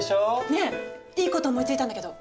ねえいいこと思いついたんだけど。